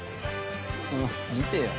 見てよ。